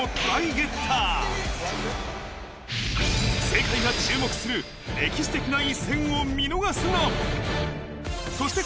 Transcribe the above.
ゲッター世界が注目する歴史的な一戦を見逃すな！